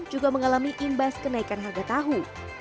juga mengalami imbas kenaikan harga tahu